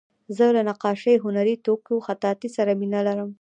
زه له نقاشۍ، هنري توکیو، خطاطۍ سره مینه لرم.